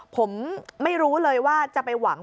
ผมไม่รู้เลยว่าจะไปหวัง